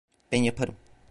Ben yaparım.